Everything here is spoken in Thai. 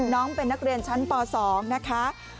น้องเป็นนักเรียนชั้นป๒นะคะ